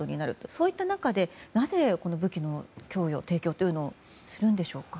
そういった中でなぜ武器の供与をするんでしょうか。